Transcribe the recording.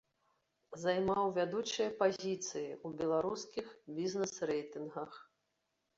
Займаў вядучыя пазіцыі ў беларускіх бізнес-рэйтынгах.